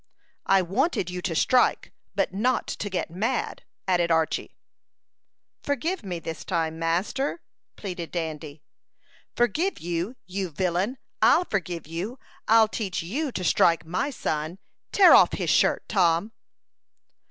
"I wanted you to strike, but not to get mad," added Archy. "Forgive me this time, master," pleaded Dandy. "Forgive you, you villain! I'll forgive you. I'll teach you to strike my son! Tear off his shirt, Tom!"